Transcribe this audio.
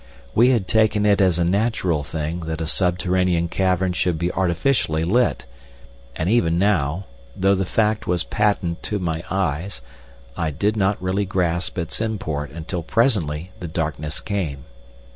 We had taken it as a natural thing that a subterranean cavern should be artificially lit, and even now, though the fact was patent to my eyes, I did not really grasp its import until presently the darkness came.